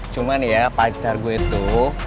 cuman ya pacar gue itu